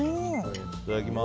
いただきます。